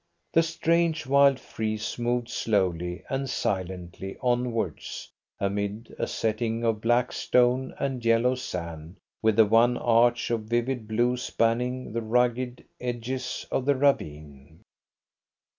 The strange, wild frieze moved slowly and silently onwards amid a setting of black stone and yellow sand, with the one arch of vivid blue spanning the rugged edges of the ravine.